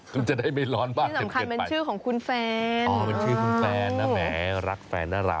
คุณจะได้ไม่ร้อนบ้างสำคัญมันชื่อของคุณแฟนอ๋อมันชื่อคุณแฟนนะแหมรักแฟนน่ารัก